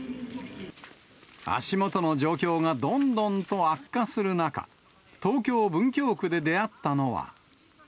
足元の状況がどんどんと悪化する中、東京・文京区で出会ったのは。